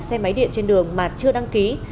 xe máy điện trên đường mà chưa đăng ký